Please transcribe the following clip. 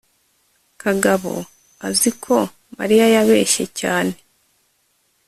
kagabo azi ko mariya yabeshye cyane